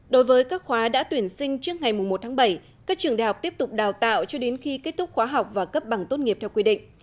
đối với các khóa đã tuyển sinh trước ngày một tháng bảy các trường đại học tiếp tục đào tạo cho đến khi kết thúc khóa học và cấp bằng tốt nghiệp theo quy định